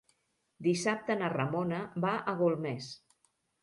Dissabte na Ramona va a Golmés.